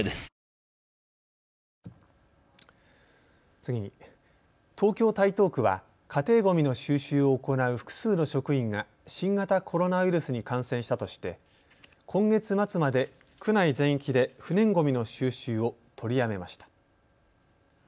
次に、東京台東区は家庭ごみの収集を行う複数の職員が新型コロナウイルスに感染したとして今月末まで区内全域で不燃ごみの収集を取りやめました。